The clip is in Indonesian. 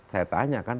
saya tanya kan